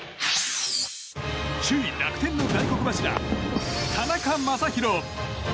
首位・楽天の大黒柱田中将大。